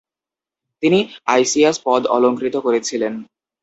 তিনি আইসিএস পদ অলংকৃত করেছিলেন।